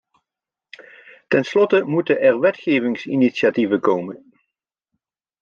Ten slotte moeten er wetgevingsinitiatieven komen.